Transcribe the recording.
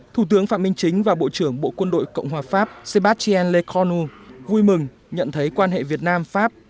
thủ tướng phạm minh chính và bộ trưởng bộ quân đội cộng hòa pháp sébastien le corneau vui mừng nhận thấy quan hệ việt nam pháp